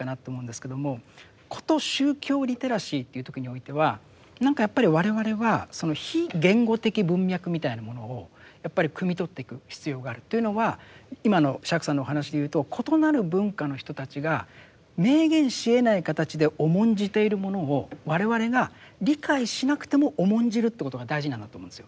こと宗教リテラシーと言う時においては何かやっぱり我々はその非言語的文脈みたいなものをやっぱりくみ取っていく必要があるというのは今の釈さんのお話で言うと異なる文化の人たちが明言しえない形で重んじているものを我々が理解しなくても重んじるということが大事なんだと思うんですよ。